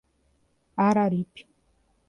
Araripe